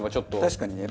確かにね。